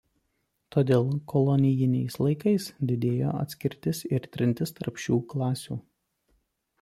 Todėl kolonijiniais laikais didėjo atskirtis ir trintis tarp šių klasių.